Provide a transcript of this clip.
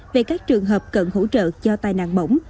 về các trường hợp cần hỗ trợ cho tai nạn bỏng